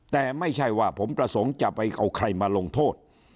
แต่ไม่ใช่ว่าผมประสงค์จะไปเอาใครมาลงโทษ